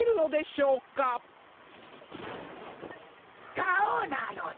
ガオなのだ！